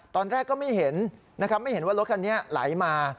ตอนแรกก็ไม่เห็นนะครับไม่เห็นว่ารถคันนี้ไหลมา